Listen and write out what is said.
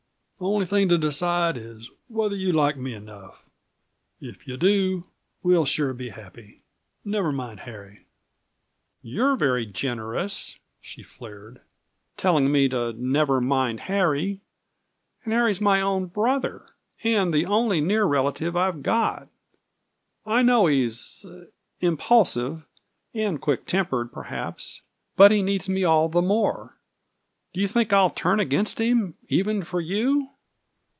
"The only thing to decide is whether you like me enough. If you do, we'll sure be happy. Never mind Harry." "You're very generous," she flared, "telling me to never mind Harry. And Harry's my own brother, and the only near relative I've got. I know he's impulsive, and quick tempered, perhaps. But he needs me all the more. Do you think I'll turn against him, even for you?"